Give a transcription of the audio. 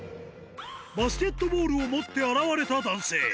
バスケットボールを持って現れた男性。